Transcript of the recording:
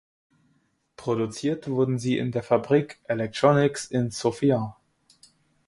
Produziert wurden sie in der Fabrik „"Electronics"“ in Sofia.